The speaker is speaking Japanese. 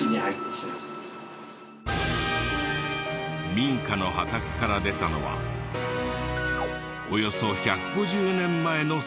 民家の畑から出たのはおよそ１５０年前の石碑。